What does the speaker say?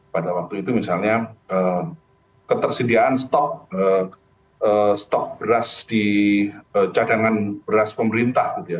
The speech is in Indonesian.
pada waktu itu misalnya ketersediaan stok beras di cadangan beras pemerintah gitu ya